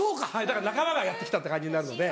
だから仲間がやって来たって感じになるので。